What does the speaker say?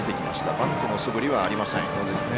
バントのそぶりはありません。